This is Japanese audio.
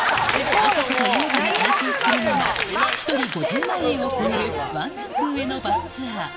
あさことイモトが体験するのは、１人５０万円を超えるワンランク上のバスツアー。